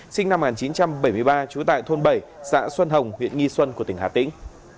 sinh năm một nghìn chín trăm bảy mươi ba trú tại thôn bảy xã xuân hồng huyện nghi xuân của tỉnh hà tĩnh